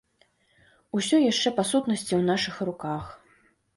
Усё яшчэ па сутнасці ў нашых руках.